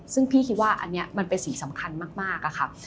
ซึ่งพี่คิดว่าอันนี้มันเป็นสิ่งสำคัญมากอะค่ะ